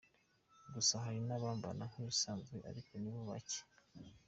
Gusa hari n’abambara nk’ibisanzwe, ariko nibo bacye.